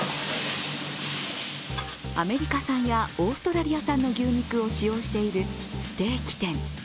アメリカ産やオーストラリア産の牛肉を使用しているステーキ店。